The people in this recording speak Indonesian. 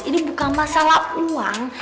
ini bukan masalah uang